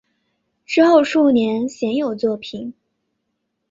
之后数年鲜有作品。